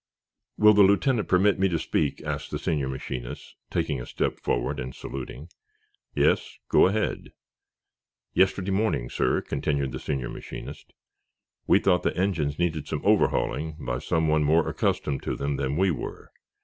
"Will the lieutenant permit me to speak?" asked the senior machinist, taking a step forward and saluting. "Yes; go ahead." "Yesterday morning, sir," continued the senior machinist, "we thought the engines needed some overhauling by someone more accustomed to them than we were.